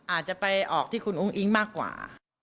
อาจจะไปออกที่คุณอุ้งอิ๊งมากกว่า